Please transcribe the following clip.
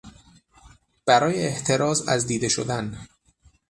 برای احتراز از دیده شدن